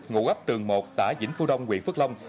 ngụ ấp tường một xã vĩnh phú đông quỹ phước long